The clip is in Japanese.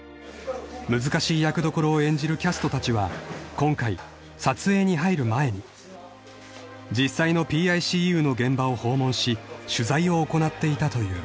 ［難しい役どころを演じるキャストたちは今回撮影に入る前に実際のＰＩＣＵの現場を訪問し取材を行っていたという］